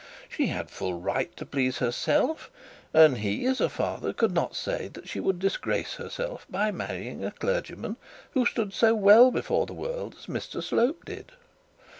She had full right to please herself, and he, as a father could not say that she would disgrace herself by marrying a clergyman who stood so well before the world as Mr Slope did.